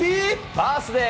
バースデー。